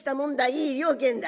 いい了見だ。